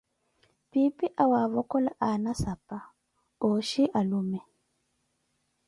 Piipi awavokola aana sapa, ooxhi alume.